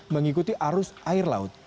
mengikuti arus air laut